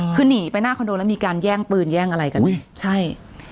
คือหนีไปหน้าคอนโดแล้วมีการแย่งปืนแย่งอะไรกันอุ้ยใช่